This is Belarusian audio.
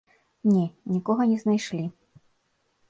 Не, нікога не знайшлі.